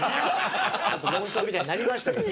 ちょっと論争みたいになりましたけど。